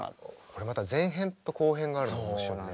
これまた前編と後編があるのが面白いね。